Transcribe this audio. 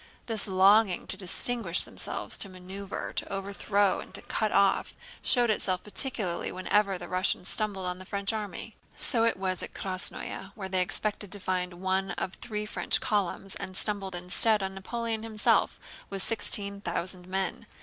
This longing to distinguish themselves, to maneuver, to overthrow, and to cut off showed itself particularly whenever the Russians stumbled on the French army. So it was at Krásnoe, where they expected to find one of the three French columns and stumbled instead on Napoleon himself with sixteen thousand men.